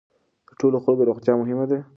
د ټولو خلکو روغتیا مهمه ده.